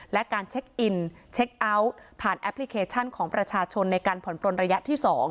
และการเช็คอินเช็คเอาท์ผ่านแอปพลิเคชันของประชาชนในการผ่อนปลนระยะที่๒